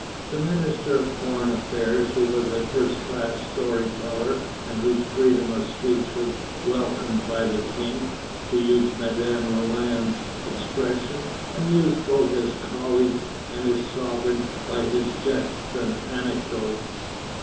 The Minister of Foreign Affairs, who was a first class story teller, and whose freedom of speech was welcomed by the King, to use Madame Roland's expression, amused both his colleagues and his sovereign by his jests and anecdotes.